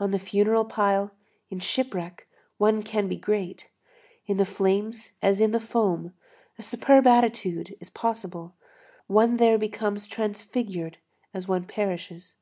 On the funeral pile, in shipwreck, one can be great; in the flames as in the foam, a superb attitude is possible; one there becomes transfigured as one perishes.